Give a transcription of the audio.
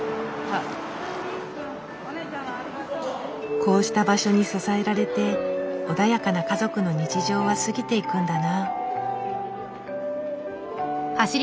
こうした場所に支えられて穏やかな家族の日常は過ぎていくんだな。